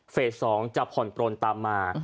๒จะผ่อนปลนตามมา